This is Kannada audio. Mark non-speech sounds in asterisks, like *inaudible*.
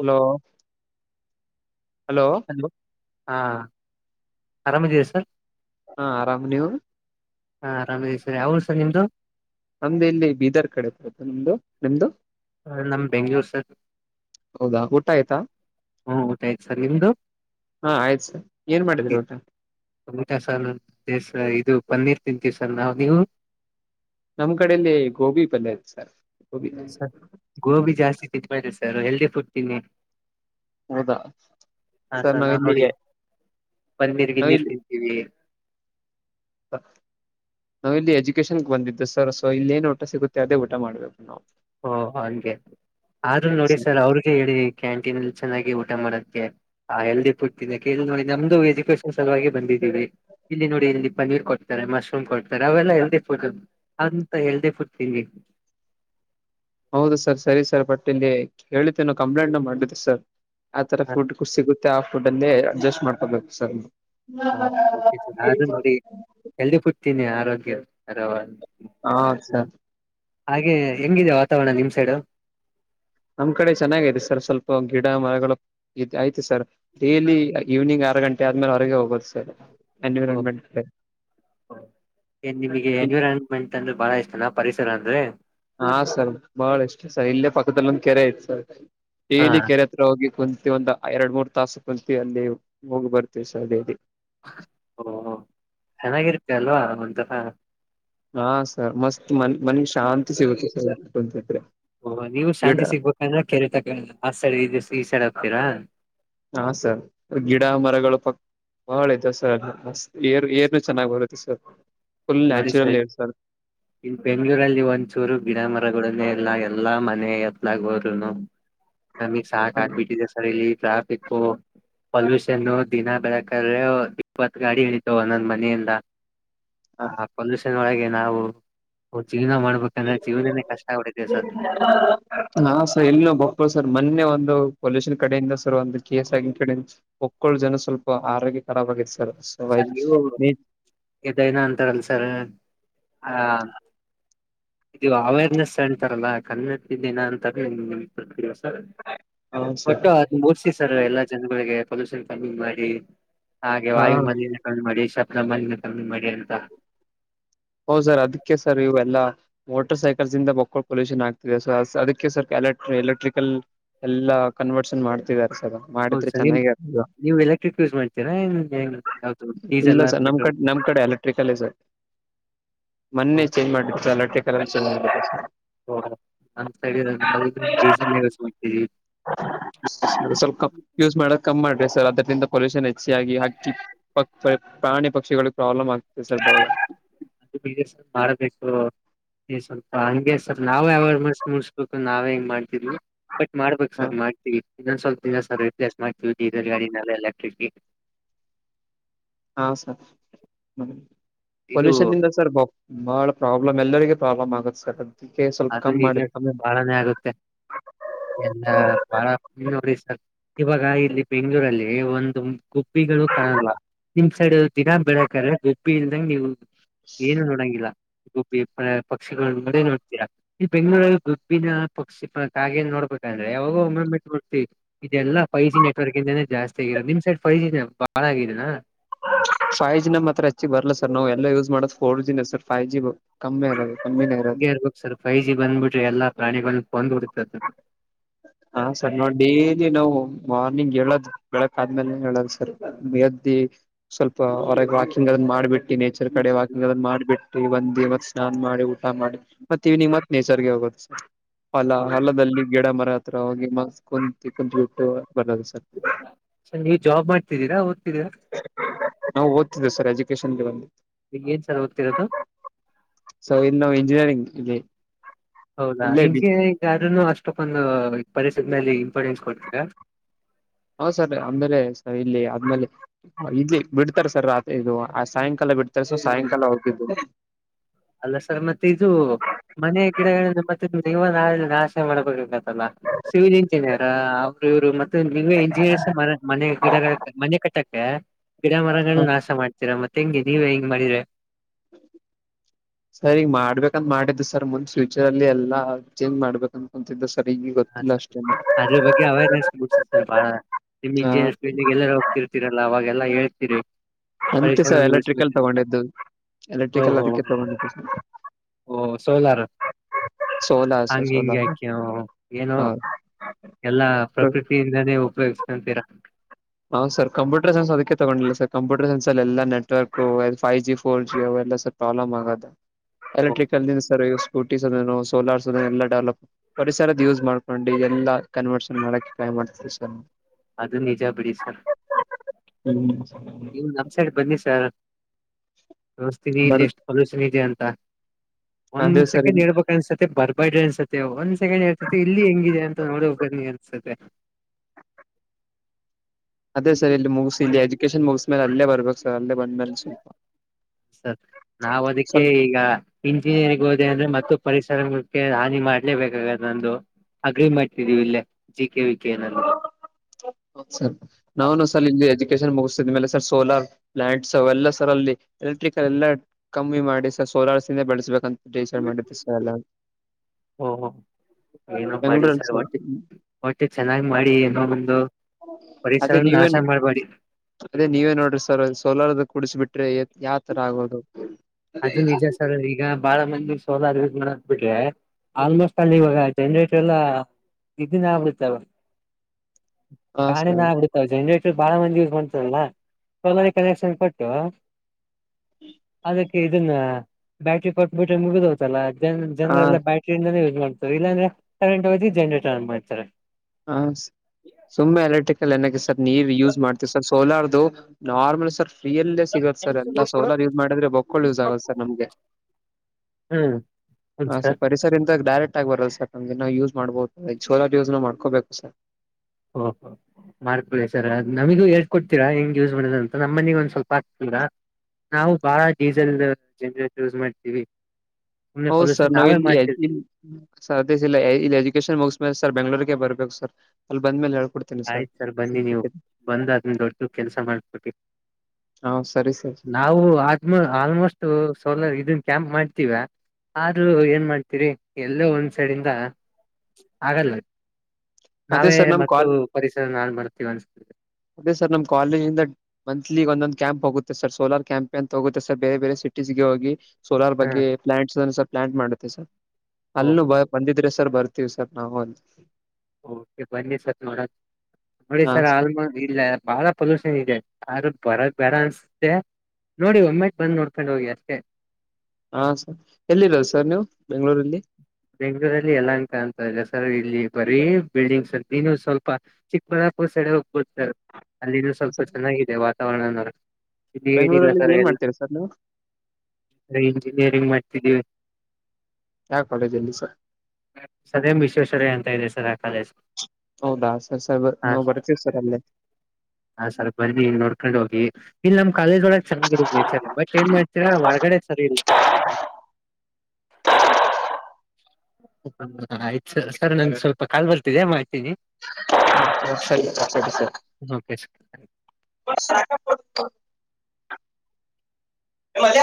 ಹಲೋ ಹಲೋ ಹಾ ಆರಾಮದೀರ ಸರ್ ಹಾ ಆರಾಮ್ ನೀವು ಹಾ ರಾಮೇಶ್ವರ್ ಅವನು ಸರ್ ನಿಮ್ದು ನಮ್ದು ಇಲ್ಲಿ ಬೀದರ್ ಕಡೆ ಬರುದು ನಿಮ್ದು ನಿಮ್ದು ಹ ನಮ್ಮ ಬೆಂಗ್ಳೂರು ಸರ್ ಹೌದಾ ಊಟ ಆಯ್ತಾ ಹ್ಮ ಊಟ ಸಲಿಮದು ಹಾ ಆಯ್ತು ಸರ್ ಏನ್ ಮಾಡಿದ್ರಿ ಊಟ ದೇಶ ಇದು ಬಂದಿರ್ ತಿಂತೀವಿ ಸರ್ ನಾವವು ನೀವು ನಮ್ ಕಡೆಯಲ್ಲಿ ಗೋಬಿ ಪಲ್ಯ ಇತ್ ಸರ್ ಗೋಬಿ ಸ ಗೋಬಿ ಜಾಸ್ತಿ ತಿನ್ ಮರಿ ಸರ್ ಹೆಲ್ದಿ ಫುಡ್ ತಿನ್ನಿ ಹೌದಾ ಹಾ ಸರ್ ನ ನಾವ್ ನೋಡಿ ಪನ್ನೀರ್ ಗಿನ್ನೀರ್ ತಿಂತೀವಿ ಹಾ ನಾವ ಇಲ್ಲಿ ಎಜುಕೇಶನ್ ಬಂದಿದ್ದು ಸರ್ ಸೊ ಇಲ್ಲ ಏನ್ ಊಟ ಸಿಗುತ್ತೆ ಅದೇ ಊಟ ಮಾಡ್ಬೇಕು ನಾವು ಓ ಹಾಗಗೆ ಆದ್ರೂ ನೋಡಿ ಸರ್ ಅವ್ರಗೆ ಹೇಳಿ ಕ್ಯಾಂಟೀನ್ಲ್ಲಿ ಚೆನ್ನಾಗಿ ಊಟ ಮಾಡಕ್ಕೆೆ ಆ ಹೆಲ್ದಿಡ್ತ ಕೇಳ ನೋಡಿ ನಮ್ದು ಎಜುಕೇಶನ್ ಸಲುವಾಗಿ ಬಂದಿದ್ದೀವಿ ಇಲ್ಲಿ ನೋಡಿ ಇಲ್ಲಿ ಪನ್ನೀರ್ ಕೊಡ್ತಾರೆ ಮಶ್ರೂಮ್ ಕೊಡ್ತಾರೆ ಅವೆಲ್ಲ ಎಲ್ದಿ ಫುಡ್ ಅಂತ ಎಲ್ದಿ ಫುಡ್ ತಿನ್ಿ ಹೌದು ಸರ್ ಸರಿ ಸರ್ ಬಟ್ ಇಲ್ಲಿ ಕಿದ್ದೇನೋ ಕಂಪ್ಲೇಂಟ್ ಮಾಡ್ಿದ ಸರ್ ಆ ತರ ಹಾ ಫುಡ್ ಸಿಗುತ್ತೆ ಆ ಫುಡ್ ಅನ್ನೇ ಅಡ್ಜಸ್ಟ್ ಮಾಡ್ಕೊಬೇಕು ಸರ್ ಹಾೆ ಸರ್ ಆದ್ರೂ ನೋಡಿ ಎಲ್ದಿ ಪುಡ್ತೀನಿ ಆರೋಗ್ಯರ ಹ ಸರ್ ಹಾಗೆ ಹೆಂಗಿದೆ ವಾತಾವರಣ ನಿಮ್ ಸೈಡು ನಮ್ ಕಡೆ ಚೆನ್ನಾಗೈತೆ ಸರ್ ಸ್ವಲ್ಪ ಗಿಡ ಮರಗಳು ಐತಿ ಸರ್ ಡೈಲಿ ಈವ್ನಿಂಗ್ ಆರು ಗಂಟೆ ಆದ್ಮೇಲೆ ಹೊರಗೆ ಹೋಗೋದು ಸರ್ ಓ ಎನ್ವಿರಾನ್ಮೆಂಟ್ ಕಡೆ. ನಿಮಗೆ ಎನ್ವಿರಾನ್ಮೆಂಟ್ ಅಂದ್ರೆ ಬಾಳ ಇಷ್ಟ ಚೆನ್ನ ಪರಿಸರ ಅಂದ್ರೆ ಹಾ ಸರ್ ಬಹಳ ಇಷ್ಟ ಸರ್ ಇಲ್ಲೇ ಪಕ್ಕದಲ್ಲ ಒಂದು ಕೆರೆ ಐ್ತ್ ಸರ್ ಹಾ ಡೇಲಿ ಕೆರೆ ಹತ್ರ ಹೋಗಿ ಕು ಪ್ರ ಒಂದು ಎರಡ್ ಮೂರ್ ತಾಸಕ್ಕಂತು ಅಲ್ಲಿ ಹೋಗಿ ಬರ್ತವಿ ಸದಲ್ಲಿ ಓ ಚೆನ್ನಾಗಿರ್ತೆ ಅಲ್ವಾ ಒಂತ ಹಾ ಸರ್ ಮಸ್ತ್ ಮನ್ ಮನಗ್ ಶಾಂತಿ ಸಿಗುತ್ತೆ ಸರ್ಂತಿದ್ರೆ ಓಹ ನೀವು ಶಾಂತಿ ಸಿಗ್ಬೇಕಂದ್ರೆ ಕೇಳರಿತಕ ಆ ಸೈಡ್ ಈ ಸೈಡ್ ಹಕ್ತೀರಾ ಹಾ ಸರ್ ಗಿಡ ಮರಗಳು ಪಕ್ ಬಾಳ್ದ ಸರ್ ಮತ್ ಏರು ಏರ್ನು ಚೆನ್ನಾಗ್ ಬರುತ್ತೆ ಸರ್ ಫುಲ್ ನೋಡಿ ನ್ಯಾಚುರಲ್ ಸರಿ ಏರ್ ಸರ್ ಇನ್ ಬೆಂಗ್ಳೂರಲ್ಲಿ ಒಂದ್ ಚೂರು ಗಿಡ ಮ ಡ ಎಲ್ಲ ಎಲ್ಲಾ ಮನೆ ಎತ್ಲಾಗಗ್ಬೋ್ರುನು ನಮಗ್ ಸಾಕ ಆಕ್ಬಿಟ್ಟಿದೆ ಸರ್ ಇಲ್ಲಿ ಟ್ರಾಫಿಕ್ ಪೊಲ್ಯೂಷನ್ನು ದಿನ ಬೆಳಕಾದ್ರೆ ದಪ್ಪತ್ ಗಾಡಿ ಇಳಿತವ ನಂದ ಮನೆಯಿಂದ ಹ ಆ ಪೊಲ್ೂಷನ್ ಒಳಗೆ ನಾವು ಹ ಸರ್ ಹಾ ಸರ್ ಇಲ್ಲಿನ ಬಕ್ರು ಸರ್ ಮೊನ್ನೆ ಒಂದು ಪೊಲ್ಯೂಷನ್ ಕಡೆಯಿಂದ ಸರ್ ಒಂದು ಕೇಸ್ ಆಗ ಕಡೆಿಂದ ಒಕ್ಕಳ ಜನ ಸ್ವಲ್ಪ ಆರೋಗ್ಯ ಖರಾಬ್ ಆಗತ್ತು ಸರ್ ಸವ ನೀ ಎದೈನ ಅಂತಾರಲ್ಲ ಸರ್ ಆ ಇದು ಅವೇರ್ನೆಸ್ ಸೆಂಟರ್ ಅಲ್ಲ ಕನ್ನ ಅಂತ ಸರ್ ಒಟ್ಟು ಅದು ಮುಡ್ಿಸಿ ಸರ್ ಎಲ್ಲಾ ಜನಗಳಿಗೆ ಪೊಲ್ೂಷನ್ ಕಮ್ಮಿ ಮಾಡಿ ಹಾಗೆ ಹಾ ವಾಯುಮಾಲಿನ ಕಮ್ಮಿ ಮಾಡಿ ಶಪ್ಲಮಲನ್ ಕಮ್ಮ ಮಾಡಿ ಅಂತ ಹೌದ್ ಸರ್ ಅದಕ್ಕೆ ಸರ್ ಇವೆಲ್ಲಾ ಮೋಟರ್ ಸೈಕಲ್ಸ್ಂದ ಬಕ್ಕಳ್ ಪೊಲ್ಯೂಷನ್ ಆಗ್ತಿದೆ ಸೊ ಅದಕ್ಕೆ ಸರ್ ಎಲೆಕ್ ಎಲೆಕ್ಟ್ರಿಕಲ್ ಎಲ್ಲಾ ಕನ್ವರ್ಷನ್ ಮಾಡ್ತಿದ್ದಾರೆ ಹೌದು ಮಾಡಿದ್ರೆ ಸರ್ ನಿಮ್ ಚೆನ್ನಾಗಿ ನೀವು ಎಲೆಕ್ಟ್ರಿಕ್ ಯೂಸ್ ಮಾಡ್ತೀರಾ ಏನ್ ಯಾವ್ದು ಇಲ್ಲ ಡೀಸೆಲ್ ಸ ನಮ್ ಕಡೆ ಪೆಟ್ರೋಲ್ ನಮ್ ಕಡೆ ಎಲೆಕ್ಟ್ರಿಕಲ್ಲೇ ಸರ್ ಮೊನ್ನೆ ಚೇಂಜ್ ಮಾಡ್ಬು ಸರ್ ಎಲೆಕ್ಟ್ರಿಕ ಚ್ ಮಾಡ್ಬ ಓ ನ್ ಸೈಡಲ್ ಮಾಡ್ತವಿ ಸ್ವಲ್ಪ ಯೂಸ್ ಮಾಡಕ್ ಕ್ ಮಾಡ್ರಿ ಸರ್ ಅದರಿಿಂದ ಪೊಲ್ೂಷನ್ ಹೆಚ್ಚಾಗಿ ಹಿ ಪ್ರಾಣಿ ಪಕ್ಷಿಗಳು ಅ ಮಾರ ದಸ ಏ ಸ್ವಲ್ಪ ಹಂಗೆ ಸ್ವಲ್ ನಾವವು ಯಾವ ಮಾಡಸ ಮುಡಸ್ಬೇಕು ನಾವೇ ಹೆಂಗ್ ಮಾಡ್ತಿದವಿ ಬಟ್ ಮಾಡ್ಬೇಕೇಕ್ ಹ ಸರ್ ಮಾಡ್ತವಿಿ ಇನ್ನೊಂದ ಸ್ವಲ್ಪ ದಿನ ಸರ್ ರಿಪ್ಲೇಸ್ ಮಾಡ್ತವಿಿ ಇದರ್ ಗಾಡಿನಲ್ಲ ಎಲೆಕ್ಟ್ರಿಸಿ ಹಾ ಸರ್ ಇದು ಪೊಲ್ಯೂಷನ್ಂದ ಸರ್ ಬಹಳ ಪ್ರಾಬ್ಲಮ್ ಮ್ಮೆಲ್ಲರಿಗೆ ಪ್ರಾಬ್ ಆಗುತ್ತೆ ಸರ್ ಅದಕ್ಕೆ ಸ್ವಲ್ಪ ಅದು ಕಮ್ಮಿ ಈಗ ಮಾಡಿ ಕಮ್ಮಿ ಮಾಡಿ. ಬಾಳನೇ ಆಗುತ್ತೆ ಎಲ್ಲ ಬಾಳರ್ ಇವಾಗ ಇಲ್ಲಿ ಬೆಂಗಳೂರುರಲ್ಲಿ ಒಂದು ಗುಬ್ಬಿಗಳು ಕಾಣಲ್ಲ ನಿಮ್ ಸೈಡ್ ದಿನಾ ಬೆಳಕ್ರೆ ಗಬ್ಬಿ ಇಲ್ದಂಗಗೆ ನೀವು ಏನು ನೋಡಂಗಿಲ್ಲ ಗುಬ್ಬಿ ಪಕ್ಷಿಗಳು ಮ ನೋ ಈ ಬೆಂಗಳೂರಲ್ಲಿ ಗುಬ್ಬಿನ ಪಕ್ಷಿ ಪ ಕಾಗೆ ನೋಡ್ಬೇಕಂದ್ರೆ ಯಾವಾಗ ಒೆಡ್ತಿವಿ ಇದೆಲ್ಲ ಫೈವ್ ಜಿ ನೆಟ್ವರ್ಕ್ ಇಂದಾನೇ ಜಾಸ್ತಿ ಆಗಿರೋದು ನಿಮ್ ಸೈಡ್ ಫೈ ಜಿ ಬಾಳ ಆಗಿದೆ ಫೈ್ ಜ ನ ಮಾತ್ರ ಹ ಹೆಚ್ಚಿ ಬರ್ಲ ಸರ್ ನಾವು ಎಲ್ಲಾ ಯೂಸ್ ಮಾಡೋದು ಫೋರ್ ಜಿನ ಸರ್ ಫೈ್ ಜಿ ಕಮ್ಮಿ ಅಗೆ ಹಂಗೆ ಇರ್ಬೇಕಕ್ ಸರ್ ಫೈವ್ ಜಿ ಬಂದ್ಬಿಟ್ರೆ ಎಲ್ಲಾ ಪ್ರಾಣಿಗಳ ಫಂದ್ ಕೊಡತ ಹ ಹಾ ಸರ್ ನೋ ಡೇಲಿ ನಾವು ಮಾರ್ನಿಂಗ್ ಹೇಳದು್ ಬೆಳಕ್ ಆದ್ಮೇಲೆ ಹೇಳದು್ ಸರ್ದ್ದಿ ಸ್ವಲ್ಪ ಹೊರಗೆ ವಾಕಿಂಗ್ ಅದನ್ನ ಮಾಡ್ಬಿಟ್ಟಿ ನೇಚರ್ ಕಡೆ ವಾಕಿಂಗ್ ಅದ್ ಮಾಡ್ಬಿಟ್ಟಿ ಒಂದಿ ಮ ಸ್ನಾನ ಮಾಡ ಮಾಡಿ ಊಟ ಮಾಡಿ ಮತ್ತ ಇವ್ನಿಂಗ್ ಮತ್ ನೇಚರ್ಗೆ ಹೋಗದು ಅಲ್ಲ ಹಲದಲ್ಲಿ ಗಿಡ ಮರ ಹತ್ರ ಹೋಗಿ ಮಸ್ ಕುಂತು ಕುತ್ ಬಿಟ್ಟು ಬರೋದು ಸರ್ ನೀವು ಜಾಬ್ ಮಾಡ್ತಿದ್ದೀರಾ ಓದ್ತಿದ್ದೀರಾ ನಾವು ಸರ್ ಎಜುಕೇಶನ್ ಬ ಏನ್ ಸರ್ ಓದ್ತಿರೋದು ಸೊ ಇನ್ಾ ಇಂಜಿನಿಯರಿಂಗ್ ಇದೆ ಹೌದಾ ನಿನ್್ಗೆ ಈಗಾರನು ಅಷ್ಟೊಪಂದು ಪರಿಸತ್ ಮೇಲೆ ಇಂಪಾರ್ಟೆನ್ಸ್ ಕೊಡ್ತೀರಾ ಹೌ ಸರ್ ಆಮೇಲೆ ಇಲ್ಲಿ ಆದ್ಮೇಲೆ ಇಲ್ಲಿ ಬಿಡ್ತಾರೆ ಸರ್ ಇದು ಸಾಯಂಕಾಲ ಬಿಡ್ತಾರೆ ಸೊ ಸಾಯಂಕಾಲ ಹೋಗಿದ್ದು ಅಲ್ಲ ಸರ್ ಮತ್ತೆ ಇದು ಮನೆಯ ಗಿಡಗಳಿಂದ ಮತ್ತೆ ನೀವ ನಾ ನಾಶ ಮಾಡ್ಬೇಕತ್ತಲ್ಲ ಸಿವಿಲ್ ಇಂಜಿನಿಯರ್ ಅವರು ಇವ್ರು ಮತ್ತೆ ನೀವೇ ಎಂಜಿನಿಯರ್ಸ್ ಮ ಮನೆ ಗಿಡಗಳ ಮನೆ ಕಟ್ಟಕ್ಕೆ ಗಿಡ ಮರಗಳು ನಾಶ ಮಾಡ್ತೀರಾ ಮತ್ತೆ ಹೆಂಗೆ ನೀವ ಹೆಂಗ್ ಮಾಡಿದ್ರೆ ಹ ಸರ್ ಈಗ ಮಾಡ್ಬೇಕಂತ ಮಾಡಿದ್ದ ಸರ್ ಮುಂದ್ ಫ್ಯೂಚರ್ ಅಲ್ಲಿ ಎಲ್ಲಾ ಚೇಂಜ್ ಮಾಡ್ಬೇಕಂತಕತಿದ್ದ ಹ ಸರ್ ಅದ್ರ ಬಗ್ಗೆ ಅವೇರ್ನೆಸ್ ಮುಡ್ಸ ಸರ್ ಬಾಳ ನಿಮ್ ಹ ಇಂಚೆ ಎಲ್ಲರ ಹೋಗ್ತಿರ್ ರಲ್ಲ ಅವೆಲ್ಲಾ ಹೇಳ್ತೀರಿ ಅಂತೆ ಸರ್ ಎಲೆಕ್ಟ್ರಿಕಲ್ ತಗೊಂಡಿದ್ದು ಎಲೆಕ್ಟ್ರಿಕಲ್ ಓಹೋ ಅದಕ್ಕೆ ತಗೊಂಡಿದ್ದು ಸ ಓ ಸೋಲಾರ ಸೋಲಾರ್ ಸರ್ ಹಂಗ ಹಿಂಗಗೆ ಸೋಲಾರ್ ಆಕಿ ಏನು ಹ ಎಲ್ಲಾ ಪ್ರಕೃತಿಯಿಂದನೇ ಉಪಯೋಗ್ಸ್ಕೊಂತೀರಾ ಹೌದು ಸರ್ ಕಂಪ್ಯೂಟರ್ ಸೈನ್ಸ್ ಅದಕ್ಕೆ ತಗೊಂಡಿಲ್ಲ ಸರ್ಂಪ್ಯೂಟರ್ ಸೈನ್ಸ್ ಅ ಎಲ್ಲ ನೆವರ್ಕ್ುದು ೈವ ಜಿ ಫೋರ್ಿ ರ್ ಪ್ರಾಬ್ಲಮ್ ಆಗದು ಎಲೆಕ್ಟ್ರಿಕಲ್ರ್ ಯಸ್ ಸ್ೂಟಿ ಅ ಸೋಲಾರ್ಸ್ ಅದ ಎಲ್ಲ ಡೆವಲಪ್ ಪರಿಸರದ ಯೂಸ್ ಮಾಡ್ಕೊಂಡು ಎಲ್ಲಾ ಕನ್ವರ್ಷನ್ ಮಾಡಕ್ಕೆ ಮಾಡ್ ಸ ಅದು ನಿಜ ಬಿಡಿ ಸರ್ ಸರಿ ನೀವು ನಮ್ ಸೈಡ್ ಬನ್ನಿ ಸರ್ ವ್ಯವಸ್ಥಿನ ಇಲ್ಲಿ ಎಷ್ಟು ಪೊಲ್ಯೂಷನ್ ಇದೆ ಅಂತ ಹ ಒಂದ್ ಸೆಕೆಂಡ್ ಹಡ್ಬೇಕಕ್ ಅನ್ಸೆ ಬರ್ಬಡ್ರಿ ಅನ್ಸೆ ಒಂದ್ ಸೆಕೆಂಡ್ ಹರ್ತತಿ ಇಲ್ಲಿ ಹೆಂಗಿದೆ ಅಂತ ನೋಡ ಹಬ್ಬಿ ಅನ್ಸೆ ಅದೇ ಸರ್ಲ್ಲಿ ಮುಗಿಸಿ ಇಲ್ಲಿ ಎಜುಕೇಶನ್ ಮುಗಿಸ ಮೇಲೆ ಅಲ್ಲೇ ಬರ್ಬೇಕು ವಂದನ್ ಶಿಲ್ಪ ಸರ್ ನಾವ್ ಅದಕ್ಕೆ ಈಗ ಇಂಜಿನಿಯರಿಂಗ್ ಹೋದೆ ಅಂದ್ರೆ ಮ ಪರಿಸರಕ್ಕೆ ಹಾನಿ ಮಾಡ್ಲೇಬೇಕಾಗ ನಂದು ಅಗ್ರಿ ಮಾಡ್ತಿದ್ದೀವಿ ಇಲ್ಲೇ ಕೆ ವಿ ಕೆ ನಲ್ಲಿ ಸರ್ ನಾನು ಸಲ ಮುಗಿದ ಮೇಲೆ ಸರ್ ಸೋಲಾರ್ ಪ್ಲಾಟ್ಸ್ ಅವ ಎಲ್ಲ ಸರ್ ಅಲ್ಲಿ ಎಲೆಕ್ಟ್ರಿಕಲ್ ಎಲ್ಲ ಕಮ್ಮಿ ಮಾಡಿ ಸರ್ ಸೋಲಾರ್ ಸೆ ಬೆಳೆಸಬೇಕಂತ ಡಿಸೈಡ್ ಮಾಡಿದ್ದ ಸ ಎಲ್ಲ ಓಹೋ ಏನೋ ಮಾಡಿ ಸರ್ ಒಟ್ಟಿ ಒಟ್ಟು ಚೆನ್ನಾಗಿ್ ಮಾಡಿ ಏನೋ ಒಂದು ಪರಿಸರ ಅದೇ ನಾಶ ನೀವೇನ್ ಮಾಡ್ಬೇಡಿ ಅದೇ ನೀವೇ ನೋಡ್ರಿ ಸರ್ ಸೋಲಾರ ಕುಡಸ್ಬ ಬಿಟ್ರೆ ಯಾವ ತರ ಆಗೋದು ಅದು ನಿಜ ಸರ್ ಈಗ ಬಾಳ ಮಂದಿ ಸೋಲಾರ್ ಯೂಸ್ ಮಾಡಕ್ ಬಿಟ್ರೆ ಆಲ್ಮೋಸ್ಟ್ ಅಲ್ಲಿ ಇವಾಗ ಜನ್ರೇಟರ್ ಎಲ್ಲ ಇದಿನ ಆಗ್ಡತ್ತವ ಹಾ ಕಾಣ ನ ಸರ್ ಆಡತಾವ ಬಾಳ ಮಂದಿ ಯೂಸ್ ಮಾಡ್ತಾರಲ್ಲ ಸೋಲರಿ ಕನೆಕ್ಷನ್ ಕೊಟ್ಟು ಅದಕ್ಕೆ ಇದನ್ನ ಬ್ಯಾಟ್ರಿ ಕಟ್ ಬಿಟ್ರೆ ಮುಗಿದತಲ್ಲ ಹ ಜನರೆಲ್ಲ ಬ್ಯಾಟ್ರಿಂದೇ ಮಾಡ್ ಇಲ್ಲಾಂದ್ರೆ ಕರೆಂಟ್ ಅವದಿ ಜನ್ರೇಟರ್ ಮಾಡ್ತಾರೆ ಹ ಸುಮ್ಮನೆ ಎಲೆಕ್ಟ್ರಿಕಲ್ ಏನಕ್ಕೆ ಸರ್ ನೀರ್ ಯೂಸ್ ಮಾಡ್ತೀವಿ ಸರ್ ಸೋಲಾರ್ ದು ನಾರ್ಮಲ್ ಸರ್ ಫೀಯಿಂದ ಸಿಗತ್ ಸರ್ ಎಲ್ಲ ಸೋಲಾರ್ ಯೂಸ್ ಮಾಡಿದ್ರೆ ಬೊಕ್ಕುಳು ಯೂಸ್ ಆಗತ್ ಸರ್ ನಮ್ಗೆ ಹ್ಮ್ ಹ ಸರ್ ಪರಿಸರ್ ಇಂಟಾಕ್ ಡೈರೆಕ್ಟ್ ಕ್ಟಾಗಿ ಬರತ್ ಸರ್ ನಮ್ ನಾವು ಯೂಸ್ ಮಾಡ್ಬಹುದು ಸೋಲರ್ ನ ಯೂಸ್ ನ ಮಾಡ್ಕೋಬೇಕು ಸರ್ ಓಹೊ ಮಾಡ್ಕೊಳ್ಳಿ ಸರ್ ನಮಗೂ ಹೇಳ್ಕೊಡ್ತೀರ ಹೆಂಗ್ ಯೂಸ್ ಮಾಡದ ಅಂತ ನಮ್ಮ ಮನಗ ಒಂದ್ ಸ್ವಲ್ಪ ಆಗ್ ತ್ತಿರ ನಾವು ಬಾಳ ಡೀಸೆಲ್ ಇಲ್ದೆಇರೊ ಜನರೇಟರ್ ಯೂಸ್ ಮಾಡ್ತೀವಿ ಸುಮ್ನೆ ಹೌದು ಸರ್ ಪೊಲ್ಯೂಷನ್ ನಾ ನಾವೇ ವಿನ್ ಇನ್ ಮಾಡ್ತಿರ್ತೀವಿ ಸಾಲ್ಟೇಜ್ ಇಲ್ಲ ಇಲ್ಲಿ ಎಜುಕೇಶನ್ ಮುಗ್ ಸರ್ ಬೆಂಗಳೂರಿಗೆ ಬರ್ಬೇಕು ಸರ್ ಅಲ್ಲಿ ಬಂದ ಮೇಲೆ ಹ ಆಯ್ತು ಸರ್ ಬನ್ನಿ ನೀವು ಬಂದ್ ಅದೊಂದು ದೊಡ್ಡ ಕೆಲ್ಸ ಮಾಡಕೊಡಿ ಹಾ ಸರಿ ಸರ್ ನಾವು ಆತ್ಮ ಆಲ್ಮೋಸ್ಟು ಸೋಲರ್ ಇದುನ್ ಕ್ಯಾಂಪ್ ಮಾಡ್ತೀವ ಆದ್ರು ಏನ್ ಮಾಡ್ತೀರಿ ಎಲ್ಲೋ ಒಂದ್ ಸೈಡಿಂದ ಹಾಗಲ್ಲ ಅದೇ ಸರ್ ನಮ್ ಕಾಲ್ ನಾಳ್ ಮಾಡ್ತೀವಿ ಅನ್ಸ್ತದೆ ಅದೇ ಸರ್ ನಮ್ಮ ಕಾಲೇಜಿಂದ ಮಂತ್ಲಿ ಈಗ ಒಂದೊಂದು ಕ್ಯಾಂಪ್ ಹೋಗುತ್ತೆ ಸರ್ ಸೋಲಾರ್ ಕ್ಯಾಂಪ್ ಅಂತ ಹೋಗುತ್ತೆ ಸರ್ ಬೇರೆಬೇರೆ ಸಿಟೀಸ್ಗೆ ಹೋಗಿ ಸೋಲಾರ್ ಹ ಬಗ್ಗೆ ಪ್ಲಾಂಟ್ಸ್ ಸ ಪ್ಲಾಟ್ ಮಾಡುತ್ತೆ ಸರ್ ಅಲ್ಲ ಬ ಬಂದಿದ್ರೆ ಸರ್ ಬರ್ ರ್ತಿವಿ ಸರ್ ನಾವು ಕೆ ಬನ್ನಿ ಸರ್ ನೋಡನ್ ನೋಡಿ ಸರ್ ಆಲ್ಮೊ ಇಲ್ಲಿ ಬಾಳ ಪೊಲ್ಯೂಷನ್ ಇದೆ ಆದ್ರ ಬರದ್ ಬೇಡ ಅನ್ಸುತ್ತೆ ನೋಡಿ ಒಮ್ಮೆಟ್ಟ ಬಂದ್ ನೋಡ್ಕೊಂಡ್ ಹೋಗಿ ಅಷ್ಟೇ ಹಾ ಸ ಎಲ್ಲಿರೋದು ಸರ್ ನೀವು ಬೆಂಗಳೂರಲ್ಲಿ ಬೆಂಗ್ಳೂರಲ್ಲಿ ಯಲಂಕ ಇದೆ ಸರ್ ಇಲ್ಲಿ ಬರೀ ಬಿಲ್ಡಿಂಗ್ಸ್ ಅ ನೀನು ಸ್ವಲ್ಪ ಚಿಕ್ಕಬಳ್ಳ ಕ್ಕಪುರ್ ಸೆೈಡ್ ಹೋಗ್ ಬರ್ತ್ಇರು ಅಲ್ಲಿಇನು ಸ್ವಲ್ಪ ಚೆನ್ನಾಗಿದೆ ವಾತಾವರಣ ಇಲ್ಲೇನು ಬೆಂಗಳೂರಲ್ಲಿ ಸರ್ ಏನ್ ಎಲ್ಲ ಮಾಡ್ತೀರಾ ಸರ್ ನೀವು ಇಂಜಿನಿಯರಿಂಗ್ ಮಾಡ್ತ್ಸಿದ್ದೀವಿ ಯಾವ ಕಾಲೇಜಲ್ಲಿ ಸರ್ ಸರ್ ಎಮ್ ವಿಶ್ವೇಶ್ವರಯ್ಯ ಅಂತ ಇದೆ ಸರ್ ಆ ಕಾಲೇಶು ಹೌದಾ ಸರ್ ಸರೆ ನಾವು ಬರ್ತೀವಿ ಸರ್ ಅಲ್ಲೇ ಹ ಸರ್ ಬನ್ನಿ ನೋಡ್ಕೊಂಡ್ ಹೋಗಿ ಇಲ್ಲಿ ನಮ್ ಕಾಲೇಜ್ ಒಳಗ್ ಚೆಂದ್ ಇರುತ್ತ್ ನೆಚರ್ ಬಟ್ ಏನ್ ಮಾಡ್ *inaudible* ಹೊರ್ಗಡೆ ಸರಿ ಇಲ್ಲ ಹ ಆಯ್ತ ಸ ಸರ್ ನಂಗೆ ಸ್ವಲ್ಪ ಕಾಲ್ ಬರ್ತಿದೆ ಮಾಡ್ತೀನಿ ಸರಿ ಸರಿ ಸರ್ ಓಕೆ ಸರ್ *inaudible* *inaudible*